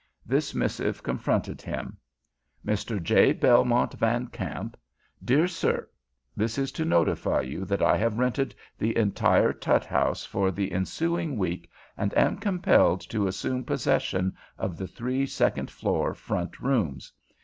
This missive confronted him: MR. J. BELMONT VAN KAMP, DEAR SIR: This is to notify you that I have rented the entire Tutt House for the ensuing week, and am compelled to assume possession of the three second floor front rooms.